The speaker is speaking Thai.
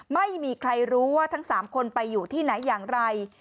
ไม่มีใครรู้ว่าทั้ง๓คนไปอยู่ที่ไหนอย่างไร